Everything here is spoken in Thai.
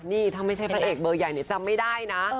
นี่ถ้าไม่ใช่พระเอกเบอร์ใหญ่เนี่ยจำไม่ได้นะ